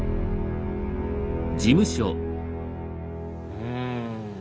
うん。